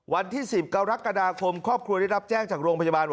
วันที่๑๐กรกฎาคมครอบครัวได้รับแจ้งจากโรงพยาบาล